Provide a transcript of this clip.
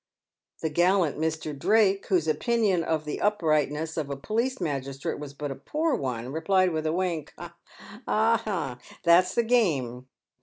The gallant Mr. Drake, whose opinion of the uprightness of a police magistrate was but a poor one, replied with a wink, " Ah ! that's the game